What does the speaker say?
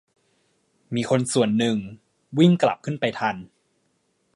มีคนส่วนหนึ่งวิ่งกลับขึ้นไปทัน